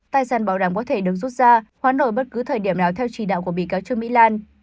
tài sản bảo đảm có thể đứng rút ra hoán đổi bất cứ thời điểm nào theo trì đạo của bị cáo chương mỹ lan